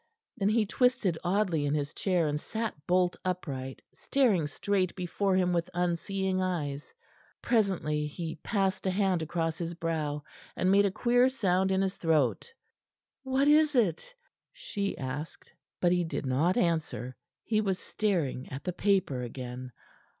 Then he twisted oddly on his chair, and sat bolt upright, staring straight before him with unseeing eyes. Presently he passed a hand across his brow, and made a queer sound in his throat. "What is it?" she asked. But he did not answer; he was staring at the paper again.